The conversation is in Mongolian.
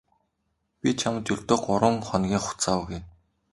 Би чамд ердөө гурав хоногийн хугацаа өгье.